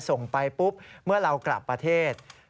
ส่งไปปุ๊บเมื่อเรากลับประเทศ